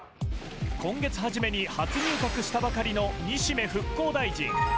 今月初めに初入閣したばかりの西銘復興大臣。